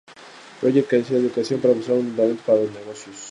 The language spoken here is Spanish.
Roger carecía de educación, pero mostraba buen talento para los negocios.